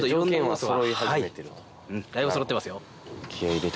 はいだいぶそろってますよ。